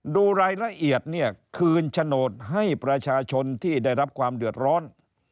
ดูรายละเอียดเนี่ยคืนโฉนดให้ประชาชนที่ได้รับความเดือดร้อน